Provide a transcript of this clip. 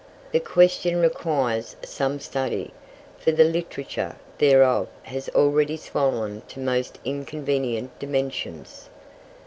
The question requires some study, for the "literature" thereof has already swollen to most inconvenient dimensions.